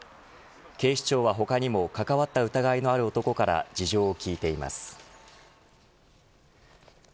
警視庁は他にも関わった疑いのある男から事情を聞いています。